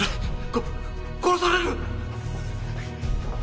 こ殺される！